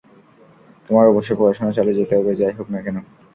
তোমার অবশ্যই পড়াশোনা চালিয়ে যেতে হবে, যাই হোক না কেন।